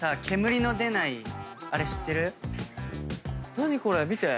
何これ⁉見て！